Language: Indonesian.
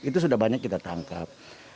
itu sudah banyak kita tangkap